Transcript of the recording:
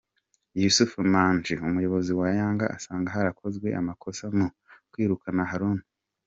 Yussuf Manji umuyobozi wa Yanga asanga harakozwe amakosa mu kwirukana Haruna.